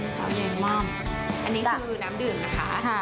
เท้าเยม่อมอันนี้คือน้ำดื่มนะคะ